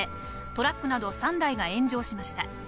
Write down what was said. トラックなど３台が炎上しました。